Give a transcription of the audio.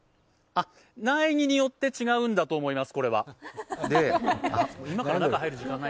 苗によって違うんだと思います。